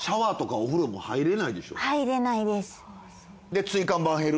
入れないです。